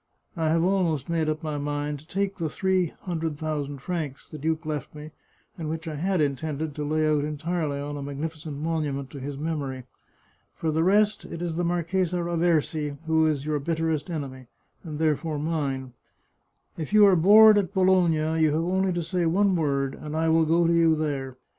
I have almost made up my mind to take the three hundred thousand francs the duke left me, and which I had intended to lay out entirely on a magnificent monument to his memory. For the rest, it is the Marchesa Raversi who is your bitterest enemy, and therefore mine. If you arc bored at Bologna, you have only to say one word, and I will go to you there.